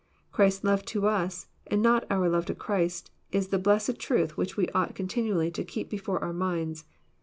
Christ's love to us, and not our love to Christ, is the blessed truth which we ought continually to keep before our minds.